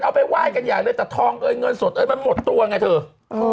เอาไปไหว้กันอย่างเลยแต่ทองเงินสดมันหมดตัวไงเถอะ